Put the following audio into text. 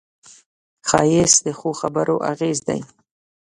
ښایست د ښو خبرو اغېز دی